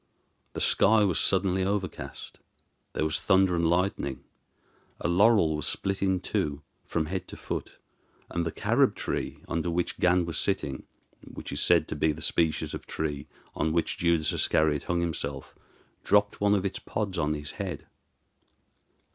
The sky was suddenly overcast, there was thunder and lightning, a laurel was split in two from head to foot, and the Carob tree under which Gan was sitting, which is said to be the species of tree on which Judas Iscariot hung himself, dropped one of its pods on his head.